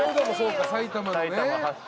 埼玉のね。